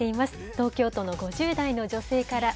東京都の５０代の女性から。